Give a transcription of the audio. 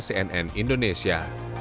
tim liputan cnn indonesia